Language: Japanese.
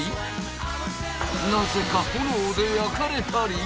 なぜか炎で焼かれたり。